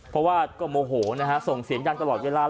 เพราะว่าก็โมโหนะฮะส่งเสียงดังตลอดเวลา